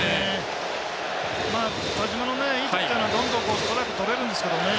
田島のいい時はどんどんストライクとれるんですけどね。